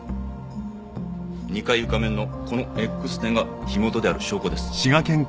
２階床面のこのＸ点が火元である証拠です。